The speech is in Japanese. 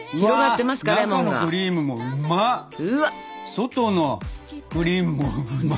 外のクリームもうまっ！